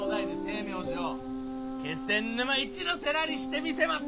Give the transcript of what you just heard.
・気仙沼一の寺にしてみせます！